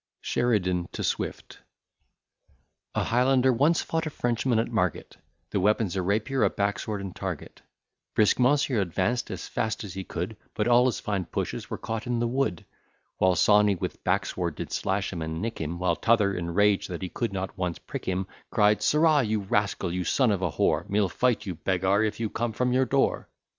SHERIDAN TO SWIFT A Highlander once fought a Frenchman at Margate, The weapons a rapier, a backsword, and target; Brisk Monsieur advanced as fast as he could, But all his fine pushes were caught in the wood; While Sawney with backsword did slash him and nick him, While t'other, enraged that he could not once prick him, Cried, "Sirrah, you rascal, you son of a whore, Me'll fight you, begar, if you'll come from your door!"